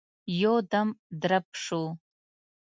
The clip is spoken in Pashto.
يودم درب شو.